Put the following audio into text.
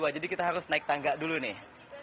jadi kita harus naik tangga dulu nih